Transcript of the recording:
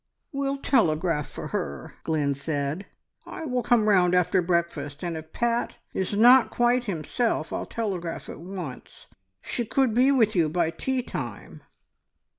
"We'll telegraph for her," Glynn said. "I will come round after breakfast, and if Pat is not quite himself, I'll telegraph at once. She could be with you by tea time."